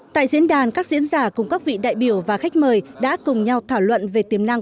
tại diễn đàn các diễn giả cùng các vị đại biểu và khách mời đã cùng nhau thảo luận về tiềm năng